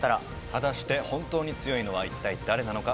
果たして本当に強いのは一体誰なのか。